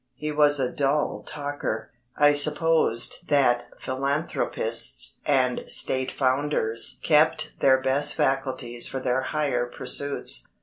He was a dull talker. I supposed that philanthropists and state founders kept their best faculties for their higher pursuits.